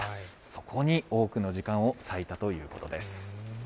そこに多くの時間を割いたということです。